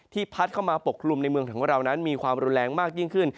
พัดเข้ามาปกคลุมในเมืองของเรานั้นมีความรุนแรงมากยิ่งขึ้น